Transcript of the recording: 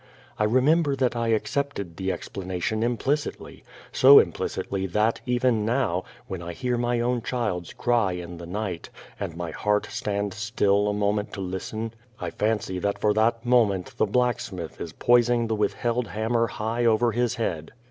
I remember that I accepted the explanation implicitly so implicitly that, even now, when I hear my own child's cry in the night, and my heart stands still a moment to listen, I fancy that for that moment the blacksmith is poising the withheld hammer high over his head.